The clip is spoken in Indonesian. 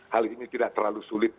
hal ini tidak terlalu sulit untuk kita